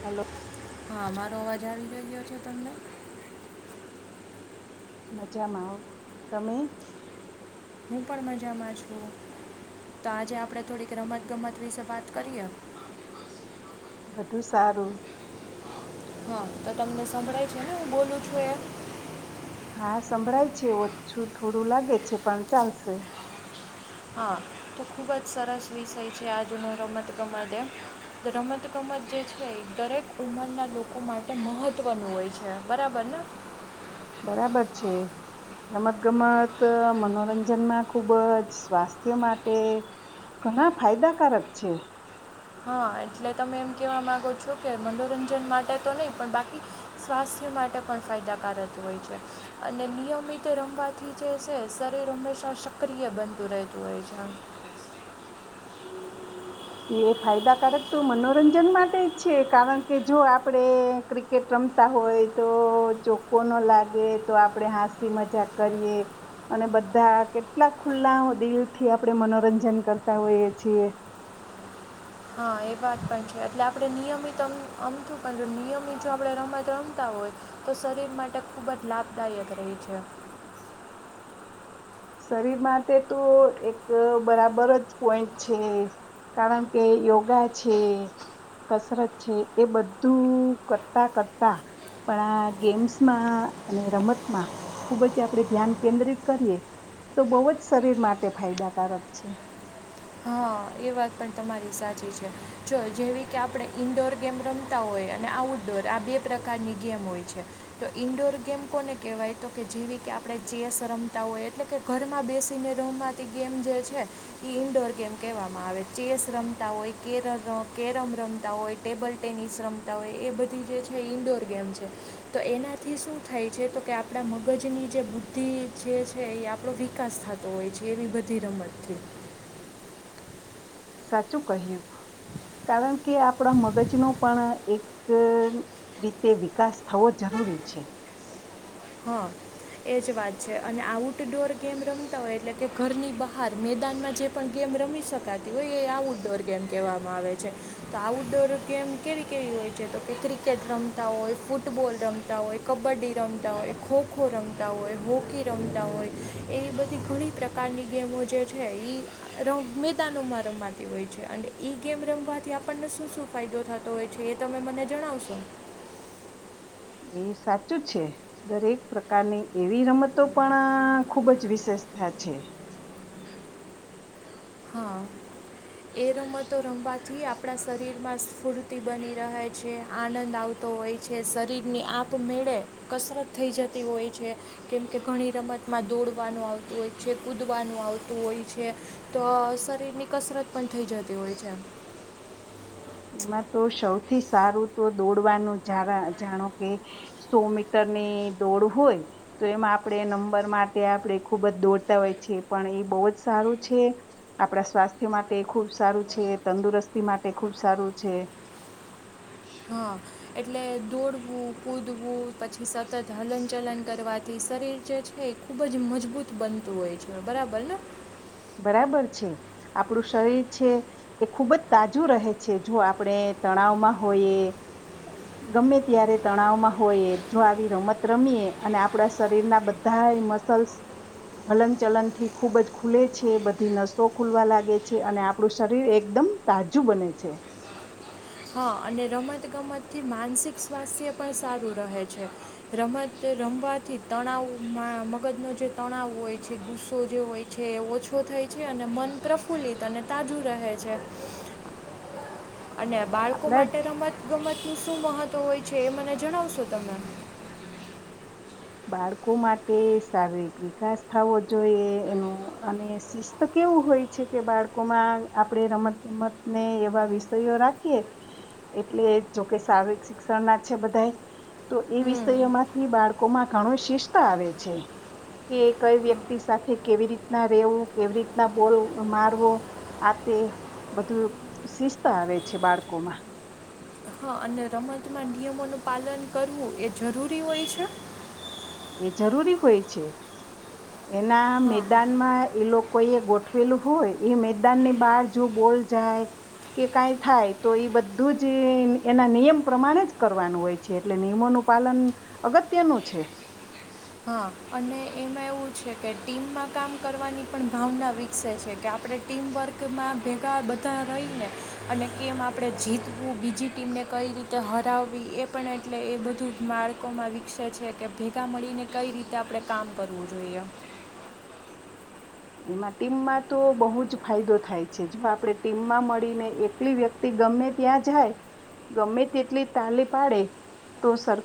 hello હા મારોવાજ આવી જઈ ગયો છે તમને મજામાં આવ તમે હું પણ મજામાં છું તો આજે આપડે થોડીક રમત ગમત વિશે વાત કરીએ વધુ સારું હા તો તમને સંભળાય છે ને હું બોલું છું એ હા સંભળાય છે ઓછું થોડું લાગે છે પણ ચાલશે હા તો ખૂબ જ સરસ વિષય છે આજુનો રમતગમત એમ રમતગમત જે છે દરેક ઉંમરના લોકો માટે મહત્વનું હોય છે બરાબર ને બરાબર છે રમત ગમત મનોરંજનમાં ખુબ જ સ્વાસ્થ્ય માટે ઘણા ફાયદાકારક છે હા એટલે તમે એમ કેવા માંગો છો કે મનોરંજન માટે તો નહી પણ બાકી સ્વાસ્થ્ય માટે પણ ફાયદાકારક હોય છે અને નિયમિત રમવાથી જે છે શરીર હંમેશા સક્રિય બનતું રહેતું હોય છે એ ફાયદાકારક તો મનોરંજન માટે જ છે કારણ કે જો આપણે ક્રિકેટ રમતા હોય તો ચોખ્ખો ન લાગે તો આપણે હાસી મજાક કરીએ અને બધા કેટલા ખુલ્લા દિલ થી આપણે મનોરંજન કરતા હોઈએ છીએ હા એ વાત પણ છે એટલે આપણે નિયમિત અમતું પણ જો નિયમિત જો આપણે ર રમતા હોય તો શરીર માટે ખૂબ જ લાભદાયક રહે છે શરીર માટે તો એક બરાબર જ પોઈન્ટ છે કારણ કે યોગા છે કસરત છે એ બધું કરતા કરતા પણ આ ગેમ્સમાં અને રમતમાં ખૂબ જ આપણે ધ્યાન કેન્દ્રિત કરીએ તો બહુ જ શરીર માટે ફાયદાકારક છે હ એ વાત પણ તમારી સાચી છે જો જેવી કે આપણે ઇન્ડોર ગેમ રમતા હોય અને આઉટડોર આ બે પ્રકારની ગેમ હોય છે તો ઇન્ડોર ગેમ કોને કહેવાય તો કે જેવી કે આપણે ચેસ રમતા હોય એટલે કે ઘરમાં બેસીને રમાતી ગેમ જે છે એ ઇન્ડોર ગેમ કહેવામાં આવે ચેસ રમતા હોય કેર કેરમ રમતા હોય ટેબલ ટેનિસ રમતા હોય એ બધી જે છે ઇન્ડોર ગેમ છે તો એનાથી શું થાય છે તો કે આપણા મગજની જે બુદ્ધિ જે છે એ આપણો વિકાસ થતો હોય છે એવી બધી રમતથી સાચું કહ્યું કારણ કે આપણા મગજનો પણ એક રીતે વિકાસ થવો જરૂરી છે હા એજ વાત છે અને આઉટડોર ગેમ રમતા હોય એટલે કે ઘરની બહાર મેદાનમાં જે પણ ગેમ રમી શકાતી હોય એ આઉટડોર ગેમ કહેવામાં આવે છે તો આઉટડોર ગેમ કેવી કેવી હોય છે તો કે ક્રિકેટ રમતા હોય ફૂટબોલ રમતા હોય કબડ્ડી રમતા હો હોય ખોખો રમતા હોય હોકી રમતા હોય એવી બધી ઘણી પ્રકારની ગેમો જે છે મેદાનોમાં રમાતી હોય છે અને ગેમ રમવાથી આપણને શું શું ફાયદો થતો હોય છે એ તમે મને જણાવશો એ સાચું છે દરેક પ્રકારની એવી રમતો પણ ખુબ જ વિશેષતા છે હા એ રમતો રમવાથી આપણા શરીરમાં સ્ફૂર્તિ બની રહે છે આનંદ આવતો હોય છે શરીરની આપમેળે કસરત થઈ જતી હોય છે કેમકે ઘણી રમતમાં દોડવાનું આવતું હોય છે કૂદવાનું આવતું હોય છે તો શરીર ની કસરત પણ થઈ જતી હોય છે એમ એમાં તો સૌથી સારું તો દોડવાનું જા જાણો કે સો મીટરની દોડ હોય તો એમાં આપણે નંબર માટે આપણે ખુબ જ દોડતા હોય છે પણ એ બહુ જ સારું છે આપણા સ્વાસ્થ્ય માટે ખુબ સારું છે તંદુરસ્તી માટે ખુબ ખ સારું છે હા એટલે દોડવું કૂદવું પછી સતત હલન ચલન કરવાથી શરીર જે છે એ ખૂબ જ મજબૂત બનતું હોય છે બરાબર ને બરાબર છે આપણું શરીર છે એ ખુબ જ તાજું રહે છે જો આપણે તણાવમાં હોઈએ ગમે ત્યારે તણાવમાં હોઈએ જો આવી રમત રમીએ અને આપણા શરીરના બધા મસલ્સ હલન ચલન થી ખૂબ જ ખુલે છે બધી નસો ખુલવા લાગે છે અને આપણું શરીર એકદમ તાજું બને છે હા અને રમત ગમતથી માનસિક સ્વાસ્થ્ય પણ સારું રહે છે રમત રમવાથી તણાવમાં મગજનો જે તણાવ હોય છે ગુસ્સો જે હોય છે એ ઓછો થાય છે અને મન પ્રફુલ્લિત અને તાજું રહે છે અને બાળકો આપણા માટે રમત ગમત શું શું મહત્વ હોય છે એ મને જણાવશો તમને બાળકો માટે શારીરિક વિકાસ થવો જોઈએ એનું અને શિસ્ત કેવું હોય છે કે બાળકોમાં આપણે રમત ગમતને એવા વિષયો રાખીએ એટલે જોકે શારીરિક શિક્ષણ ના છે બધા તો એ હમ વિષયો માંથી બાળકો બાળમાં ઘણું શિસ્ત આવે છે કે કઈ વ્યક્તિ સાથે કેવી રીતના રેવું કેવી રીતના બોલ મારવો આ તે બધું શિસ્ત આવે છે બાળકોમાં હા અને રમતમાં નિયમોનું પાલન કરવું એ જરૂરી હોય છે એ જરૂરી હોય છે એના હા મેદાનમાં એ લોકો કોઈ એ ગોઠવેલું હોય એ મેદાન ની બહાર જો બોલ જાય કે કઈ થાય તો એ બધું જ એના નિયમ પ્રમાણે જ કરવાનું હોય છે એટલે નિયમોનું પાલન અગત્યનું છે હા અને એમાં એવું છે કે ટીમમાં કામ કરવાની પણ ભાવના વિકસે છે કે આપણે ટીમવર્કમાં ભેગા બધા રહી ને અને કેમ આપણે જીતવું બીજી ટીમને કઈ રીતે હરાવવી એ પણ એટલે એ બધું માળકોમાં વિકસે છે કે ભેગા મળીને કઈ રીતે આપણેે કામ કરવું જોઈએ એમાં ટીમમાં તો બહુ જ ફાયદો થાય છે જો આપણે ટીમમાં મળીને એકલી વ્યક્તિ ગમે ત્યાં જાય ગમે તેટલી તાલી પાડે તો સર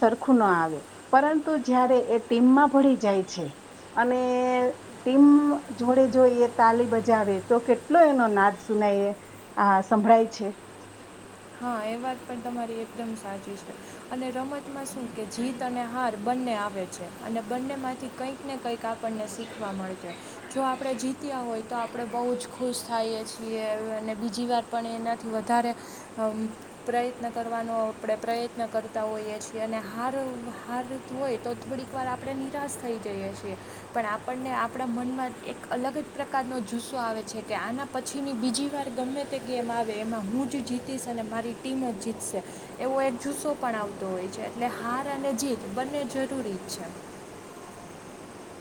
સરખું ના આવે પરંતુ જયારે એ ટીમમાં ભળી જાય છે અને ટીમ જોડે જો એ તાલી બજાવે તો કેટલો એનો નાદ સુનાય આ સંભળાય છે હા એ વાત પણ તમારી એકદમ સાચી છે અને રમતમાં શું કે જીત અને હાથ બંને આવે છે અને બંનેમાંથી કંઈક ને કંઈક આપણને શીખવા મળશે જો આપણે જીત્યા હોય તો આપણે બહુ જ ખુશ થઈએ છીએ અને બીજી વાર પણ એનાથી વધારે પ્રયત્ન કરવાનો આપણે પ્રયત્ન કરતા હોઈએ છીએ અને હાર હાર હોય તો થોડીક વાર આપણે નિરાશ થઈ જઈએ છીએ પણ આપણને આપણા મનમાં એક અલગ જ પ્રકારનો જુસ્સો આવે છે કે આના પછીની બીજી વાર ગમે તે ગેમ આવે એમાં હું જ જીત મારી ટીમ જ જીતશે એવો એક જુસ્સો પણ આવતો હોય છે એટલે હાર અને જીત બંને જરૂરી જ છે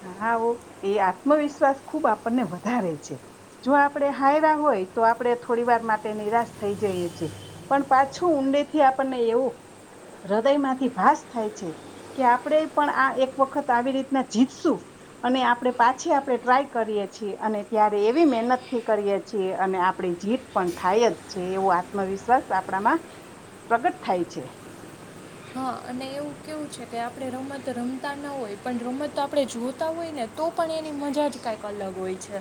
હા આવો એ આત્મવિશ્વાસ ખુબ આપણને વધારે છે જો આપણે હારરા હોય તો આપણે થોડી વાર માટે નિરાશ થઈ જઈએ છેી પણ પાછું ઊંડે થી આપણને એવું હૃદયમાંથી ભાસ થાય છે કે આપણે પણ આ એક વખત આવી રીતના જીતશું અને આપણે પાછી આપણે ટ્રાય કરીએ છીએ અને ત્યારે એવી મહેનત થી કરીએ છીએ અને આપણે જીત પણ થાય જ છે એવો આત્મવિશ્વાસ આપણામાં પ્રગટ થાય છે હા અને એવું કેવું છે કે આપણે રમત રમતા ન હોય પણ રમત આપણે જોતા હોય ને તો પણ એની મજા જ કાંઈક અલગ હોય છે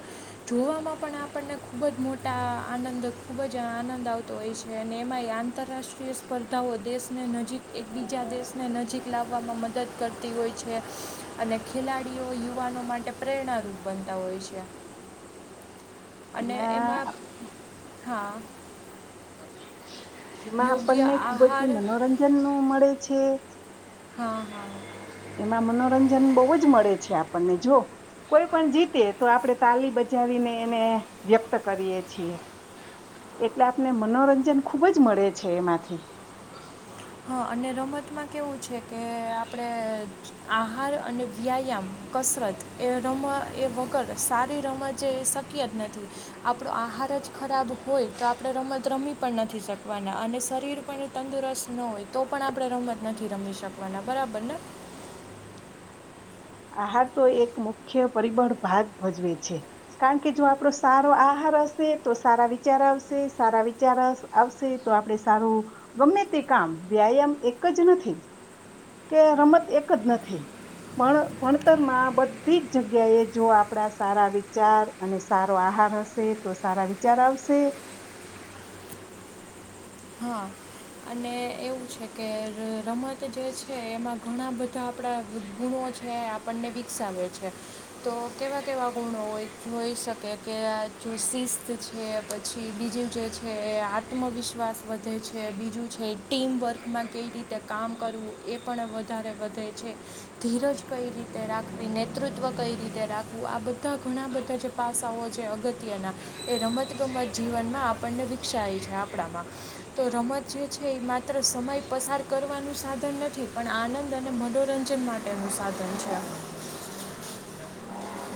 જોવામાં પણ આપણને ખૂબ જ મોટા આનંદ ખૂબ જ આનંદ આવતો હોય છે અને એમાં એ આંતરરાષ્ટ્રીય સ્પર્ધાઓ દેશને નજીક એક બીજા દેશને નજીક લાવવામાં મદદ કરતી હોય છે અને ખેલાડીઓ યુવાનો માટે પ્રેરણારૂપ બનતા હોય છે અને એમાં હા એમાં યોગ્ય આપણને ખુબ જ આહાર મનોરંજન મળે છે હું હમ હા એમાં મનોરંજન બહુ જ મળે છે આપણને જો કોઈ પણ જીતે તો આપણે તાલી બજાવીને એને વ્યક્ત કરીએ છીએ એટલે આપને મનોરંજન ખુબ જ મળે છે એમાંથી હા અને રમતમાં કેવું છે કે આપણે આહાર અને વ્યાયામ કસરત એ રમ એ વગર સારી રમત શક્ય જ નથી આપણો આહાર જ ખરાબ હોય તો આપણે રમત રમી પણ નથી શકવાના અને શરીર પણ તંદુરસ્ત ન હોય તો પણ આપણે રમત નથી રમી શકવાના બરાબર ને આહાર તો એક મુખ્ય પરિબળ ભાગ ભજવે છે કારણ કે જો આપણો સારો આહાર હશે તો સારા વિચાર આવશે સારા વિચાર આવશે તો આપણે સારું ગમે તે કામ વ્યાયામ એક જ નથી કે રમત એક જ નથી પણ ભણતરમાં બધી જ જગ્યાએ જો આપણા સારા વિચાર અને સારો આહાર હશે તો સારા વિચાર આવશે હા અને એવું છે કે રમત જે છે એમાં ઘણા બધા આપણા ગુણો છે આપણને વિકસાવે છે તો કેવા કેવા ગુણો જોઈ શકે કે આ જો શિસ્ત છે પછી બીજું જે છે એ આત્મવિશ્વાસ વધે છે બીજું છે ટીમવર્કમાં કઈ રીતે કામ કરવું એ પણ વધારે વધે છે ધીરજ કઈ રીતે રાખવી નેતૃત્વ કઈ રીતે રાખવું આ બધા ઘણા બધા જે પાસાઓ છે અગત્યના એ રમતગમત જીવનમાં આપણને વિકસાય છે આપણામાં તો રમત જે છે એ માત્ર સમય પસાર કરવાનું સાધન નથી પણ આનંદ અને મનોરંજન માટેનું સાધન છે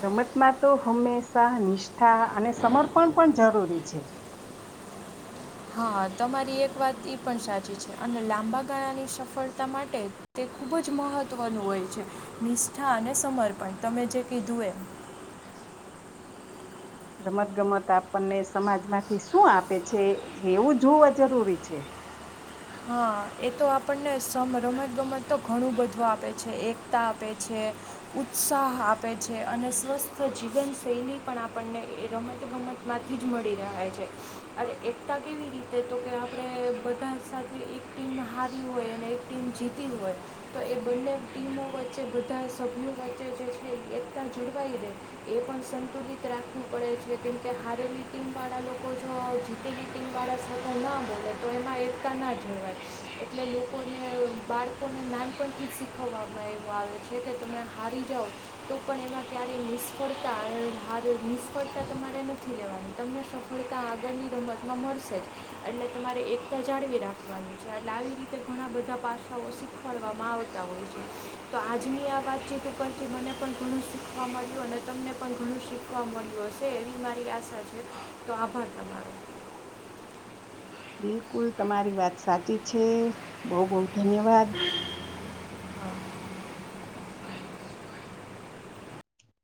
રમતમાં તો હંમેશા નિષ્ઠા અને સમર્પણ પણ જરૂરી છે હા તમારી એક વાત એ પણ સાચી છે અને લાંબા ગાળાની સફળતા માટે ખૂબ જ મહત્ત્વનું હોય છે મ હા અને સમર્પણ તમે જે કીધું એમ રમત ગમત આપણને સમાજમાંથી શું આપે છે એવું જોવા જરૂરી છે હા એ તો આપણને સમ રમત ગમત તો ઘણું બધું આપે છે એકતા આપે છે ઉત્સાહ આપે છે અને સ્વસ્થ જીવન શૈલી પણ આપણને એ રમત ગમત માંથી જ મળી રહે છે અરે એકતા કેવી રીતે તો કે આપણે બધા એક ટીમ હારી હોય અને એક ટીમ જીતી હોય તો એ બંને ટીમો વચ્ચે બધા સભ્યો વચ્ચે જે છે એકતા જળવાઈ રહે એ પણ સંતુલિત રાખવું પડે છે કેમકે હારેલી ટીમવાળા લોકો જો જીતેલી ટીમવાળા સાથે ના બોલે તો એમાં એકતા ના જ વા એટલે લોકોને બાળકોને નાનપણથીક શીખવવામાં એવું આવે છે કે તમે હારી જાઓ તો પણ એમાં ક્યારેય નિષ્ફળતા હાર નિષ્ફળતા તમારે નથી લેવાની તમને સફળતા આગળની રમતમાં મળશે જ એટલે તમારે એકતા જાળવી રાખ એટ આવી રીતે ઘણા બધા પાસાઓ શીખવાડવામાં આવતા હોય છે તો આજની આ વાત છે ઉપથી મને પણ ઘણ શ શવા મળ્યું અને તમને પણ ઘણું શીખવા મળ્યું હશે એવી મારી આશા છે તો આભાર તમારો બિલકુલ તમારી વાત સાચી છે બહ બહ ધન્યવાદ